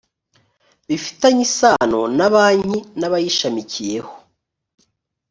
bifitanye isano na banki n’abayishamikiyeho